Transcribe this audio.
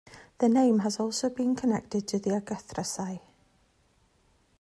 Their name has also been connected to the Agathyrsi.